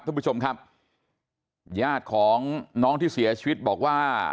ท่านผู้ชมครับญาติของน้องที่เสียชีวิตบอกว่า